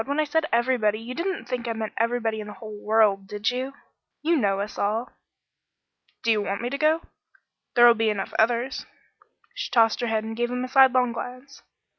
When I said everybody, you didn't think I meant everybody in the whole world, did you? You know us all." "Do you want me to go? There'll be enough others " She tossed her head and gave him a sidelong glance.